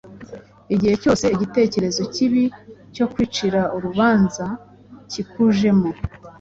igihe cyose igitekerezo kibi cyo kwicira urubanza kikujemo,